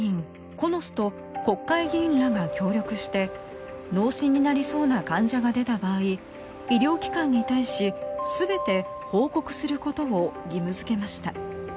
ＫＯＮＯＳと国会議員らが協力して脳死になりそうな患者が出た場合医療機関に対し全て報告することを義務づけました。